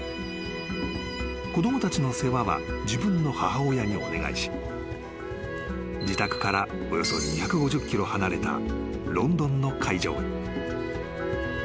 ［子供たちの世話は自分の母親にお願いし自宅からおよそ２５０ｋｍ離れたロンドンの会場へ］